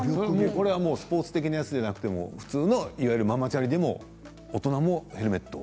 これはスポーツ的なやつじゃなくても普通のいわゆるママチャリでも大人もヘルメット？